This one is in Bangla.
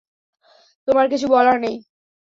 তোমার কিছু বলার নেই?